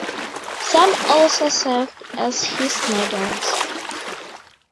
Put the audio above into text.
Some also served as his models.